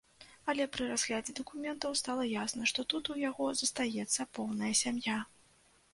Але пры разглядзе дакументаў стала ясна, што тут у яго застаецца поўная сям'я.